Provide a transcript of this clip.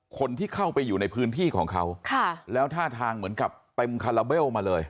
คนที่เข้าไปอยู่ในพื้นที่ของเขาแล้วท่าทางเหมือนกับเต็มคาราเบลมาเลย